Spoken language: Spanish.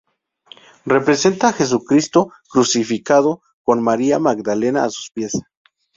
Representa a Jesucristo crucificado, con María Magdalena a sus pies.